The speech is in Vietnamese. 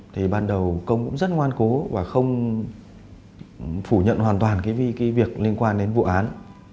thì ban đầu công cũng rất ngoan cố và không phủ nhận hoàn toàn cái việc liên quan đến vụ án